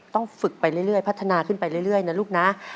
ต้องฝึกไปเรื่อยพัฒนาขึ้นไปเรื่อยนะลูกนะ